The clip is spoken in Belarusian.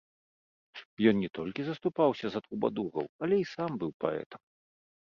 Ён не толькі заступаўся за трубадураў, але і сам быў паэтам.